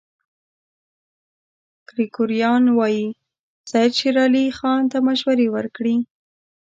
ګریګوریان وايي سید شېر علي خان ته مشورې ورکړې.